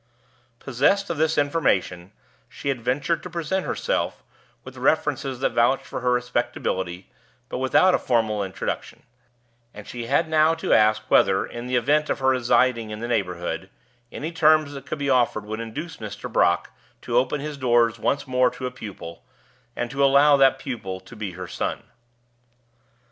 Possessed of this information, she had ventured to present herself, with references that vouched for her respectability, but without a formal introduction; and she had now to ask whether (in the event of her residing in the neighborhood) any terms that could be offered would induce Mr. Brock to open his doors once more to a pupil, and to allow that pupil to be her son.